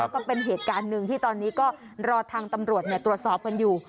ก็เป็นเหตุการณ์หนึ่งที่ตอนนี้ก็รอทางตำรวจตรวจสอบกันอยู่